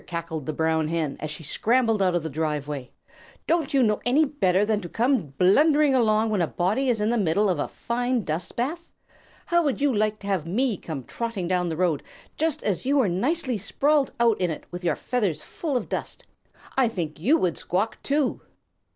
cackled the Brown Hen, as she scrambled out of the driveway. "Don't you know any better than to come blundering along when a body is in the middle of a fine dust bath? How would you like to have me come trotting down the road, just as you were nicely sprawled out in it with your feathers full of dust? I think you would squawk too!"